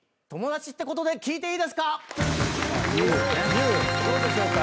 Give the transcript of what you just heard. ゆうどうでしょうか？